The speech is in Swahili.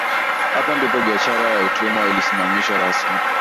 Hapo ndipo biashara ya utumwa ilisimamishwa rasmi